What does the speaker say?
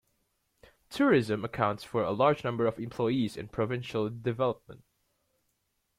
Tourism accounts for a large number of employees and provincial development.